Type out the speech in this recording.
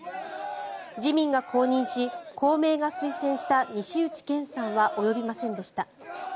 自民が公認し、公明が推薦した西内健さんは及びませんでした。